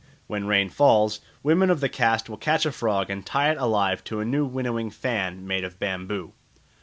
When rain fails, women of the caste will catch a frog and tie it alive to a new winnowing fan made of bamboo.